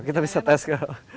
kita bisa tes kalau